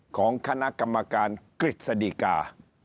ของคณะกรรมการกริจสดิกา